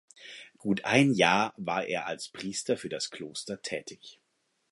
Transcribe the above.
Gut ein Jahr war er als Priester für das Kloster tätig.